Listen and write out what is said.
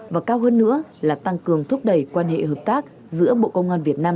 và cao hơn nữa là tăng cường thúc đẩy quan hệ hợp tác giữa bộ công an việt nam